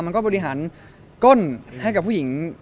มันก็บริหารก้นให้กับผู้หญิง